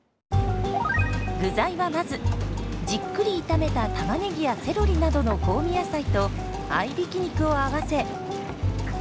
具材はまずじっくり炒めたタマネギやセロリなどの香味野菜と合いびき肉を合わせ。